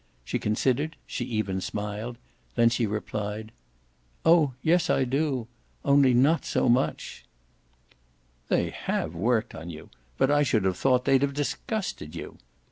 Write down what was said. She considered, she even smiled; then she replied: "Oh yes I do only not so much." "They HAVE worked on you; but I should have thought they'd have disgusted you.